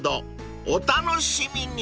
［お楽しみに］